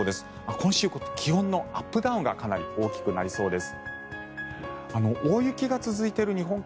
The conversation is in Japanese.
今週、気温のアップダウンがかなり大きくなりそうです。